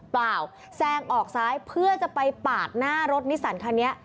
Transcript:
เปล่าแซงออกซ้ายเพื่อจะไปปาดหน้ารถนิสันคันนี้